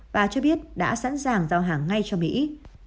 bà cho biết đã sẵn sàng giao hàng ngay cho mỹ